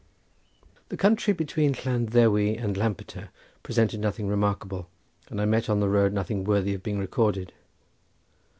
The country between Llan Ddewi and Lampeter presented nothing remarkable, and I met on the road nothing worthy of being recorded.